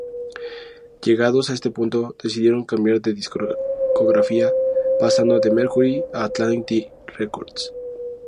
Llegados a este punto, decidieron cambiar de discográfica, pasando de Mercury a Atlantic Records.